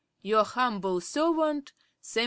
'Your humble servant, 'SAM.